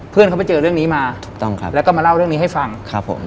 เพื่อนเขาไปเจอเรื่องนี้มาถูกต้องครับแล้วก็มาเล่าเรื่องนี้ให้ฟังครับผม